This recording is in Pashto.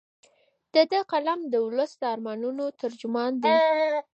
د ده قلم د ولس د ارمانونو ترجمان دی.